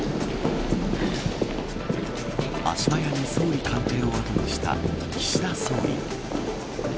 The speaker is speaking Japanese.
足早に総理官邸を後にした岸田総理。